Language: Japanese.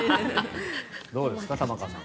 どうですか、玉川さん。